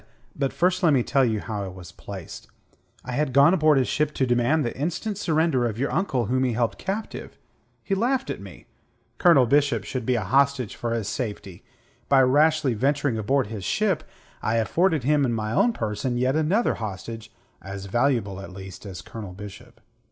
but first let me tell you how I was placed. I had gone aboard his ship to demand the instant surrender of your uncle whom he held captive. He laughed at me. Colonel Bishop should be a hostage for his safety. By rashly venturing aboard his ship, I afforded him in my own person yet another hostage as valuable at least as Colonel Bishop.